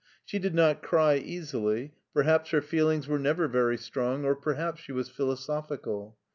She did not cry easily; perhaps her feelings were never very strong, or perhaps she was philosophical.